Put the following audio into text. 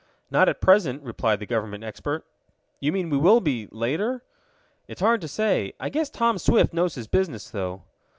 "Not at present," replied the government expert. "You mean we will be later?" "It's hard to say. I guess Tom Swift knows his business, though."